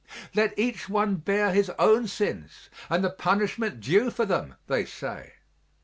Let each one bear his own sins and the punishments due for them, they say.